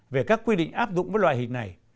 về các quy định áp dụng với loại hình này